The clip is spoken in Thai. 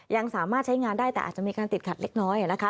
ยังสามารถใช้งานได้แต่อาจจะมีการติดขัดเล็กน้อยนะคะ